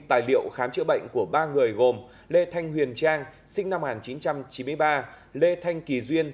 tài liệu khám chữa bệnh của ba người gồm lê thanh huyền trang sinh năm một nghìn chín trăm chín mươi ba lê thanh kỳ duyên